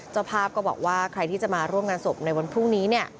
เจ้าภาพก็บอกว่าใครที่จะมาร่วมงานศพในวันพรุ่งนี้